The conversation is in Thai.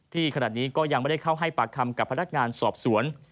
ขณะนี้ก็ยังไม่ได้เข้าให้ปากคำกับพนักงานสอบสวน